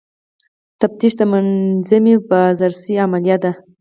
تفتیش د منظمې بازرسۍ عملیه ده.